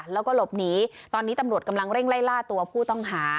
แล้วก็หลบหนีตอนนี้ตำรวจกำลังเร่งไล่ล่าตัวผู้ต้องหา